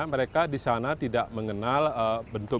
mereka di sana tidak mengenal bentuk